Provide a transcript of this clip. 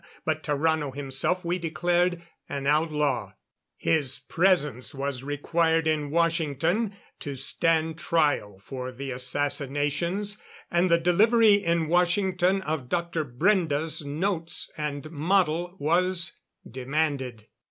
But Tarrano himself we declared an outlaw. His presence was required in Washington to stand trial for the assassinations, and the delivery in Washington of Dr. Brende's notes and model was demanded.